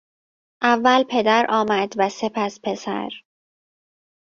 اول پدر آمد و سپس پسر.